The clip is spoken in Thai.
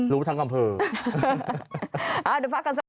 รูปทางกำพือ